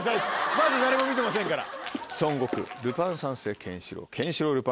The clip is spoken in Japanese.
まだ誰も見てませんから。